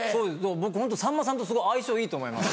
僕ホントさんまさんとすごい相性いいと思います。